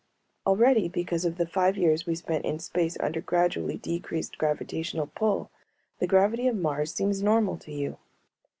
Already, because of the five years we spent in space under gradually decreased gravitational pull, the gravity of Mars seems normal to you.